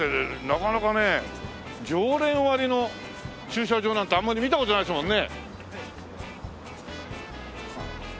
なかなかね常連割の駐車場なんてあんまり見た事ないですもんね。